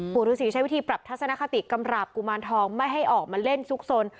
ฤษีใช้วิธีปรับทัศนคติกำราบกุมารทองไม่ให้ออกมาเล่นซุกสน